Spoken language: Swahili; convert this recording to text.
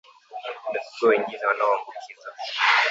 Mifugo wengine wanaoambukizwa